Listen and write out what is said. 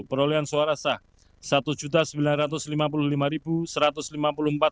perolehan suara sah satu sembilan ratus lima puluh lima seratus suara